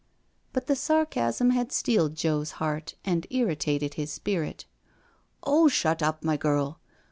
But the sarcasm had steeled Joe's heart and irritated his spirit. " Oh, shut up, my girl.